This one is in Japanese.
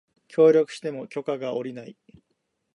協力しても許可が降りない